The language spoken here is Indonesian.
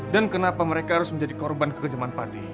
dan kenapa mereka harus menjadi korban kekejaman pati